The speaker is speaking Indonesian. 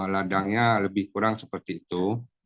ladangnya lebih kurang seperti itu